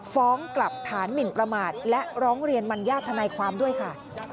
ฟ้องกลับฐานหมินประมาทและร้องเรียนมัญญาติธนายความด้วยค่ะ